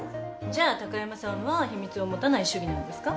じゃあ高山さんは秘密を持たない主義なんですか？